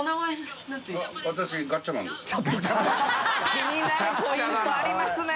気になるポイントありますね！